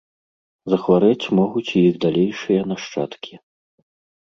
Захварэць могуць і іх далейшыя нашчадкі.